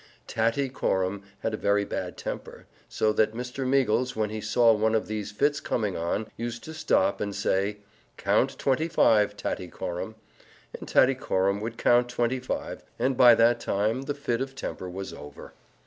Tattycoram had a very bad temper, so that Mr. Meagles, when he saw one of these fits coming on, used to stop and say, "Count twenty five, Tattycoram." And Tattycoram would count twenty five, and by that time the fit of temper was over.